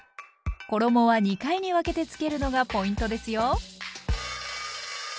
衣は２回に分けてつけるのがポイントですよ！